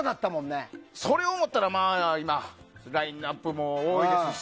それを思ったら今はラインアップも多いですし。